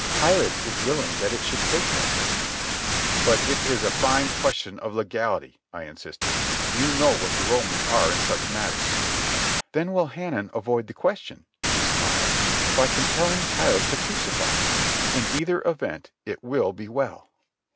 "Pilate is willing that it should take that right." "But it is a fine question of legality," I insisted. "You know what the Romans are in such matters." "Then will Hanan avoid the question," she smiled, "by compelling Pilate to crucify him. In either event it will be well."